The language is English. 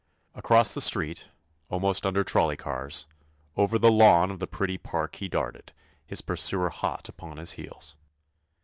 Across the street, almost under trolley cars, over the lawn of the pretty park he darted, his pursuer hot upon his heels.